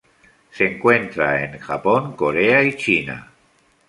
Se encuentra en Japón, Corea, y China.